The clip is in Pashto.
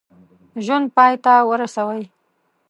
ژوند پای ته ورسوي.